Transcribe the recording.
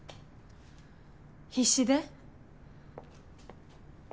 必死で。